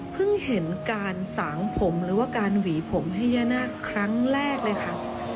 เห็นการสางผมหรือว่าการหวีผมให้ย่านาคครั้งแรกเลยค่ะ